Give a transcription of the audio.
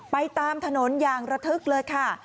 ไปตามถนนอย่างระทึกเลยค่ะ